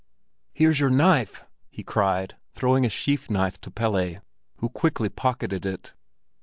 "Here's your knife!" he cried, throwing a sheath knife to Pelle, who quickly pocketed it.